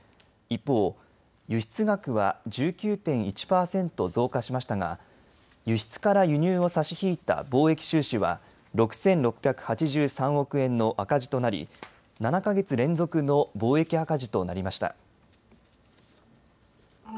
一方、輸出額は１９．１％増加しましたが輸出から輸入を差し引いた貿易収支は６６８３億円の赤字となり７か月連続の貿易赤字となりました。